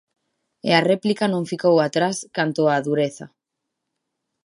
E a réplica non ficou atrás canto á dureza.